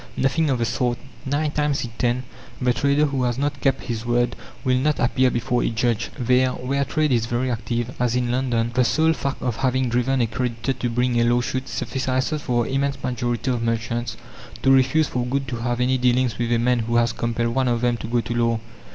Nothing of the sort; nine times in ten the trader who has not kept his word will not appear before a judge. There, where trade is very active, as in London, the sole fact of having driven a creditor to bring a lawsuit suffices for the immense majority of merchants to refuse for good to have any dealings with a man who has compelled one of them to go to law.